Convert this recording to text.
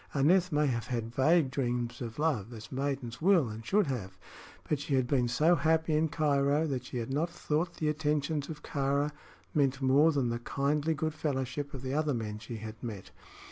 Aneth may have had vague dreams of love, as maidens will and should have; but she had been so happy in Cairo that she had not thought the attentions of Kāra meant more than the kindly good fellowship of the other men she had met.